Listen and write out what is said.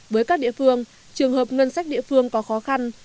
với các địa phương trường hợp ngân sách địa phương có khó khăn